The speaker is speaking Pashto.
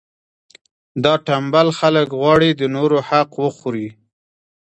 دا ټنبل خلک غواړي د نورو حق وخوري.